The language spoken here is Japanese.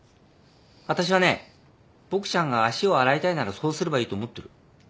私はねボクちゃんが足を洗いたいならそうすればいいと思ってる。